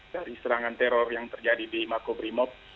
dari serangan teror yang terjadi di makobrimob